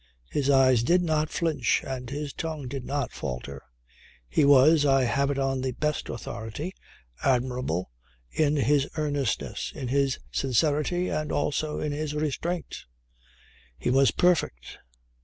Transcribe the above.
His eyes did not flinch and his tongue did not falter. He was, I have it on the best authority, admirable in his earnestness, in his sincerity and also in his restraint. He was perfect.